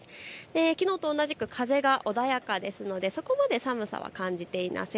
きのうと同じく風が穏やかですのでそこまで寒さは感じていません。